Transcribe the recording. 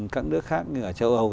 các đứa khác ở châu âu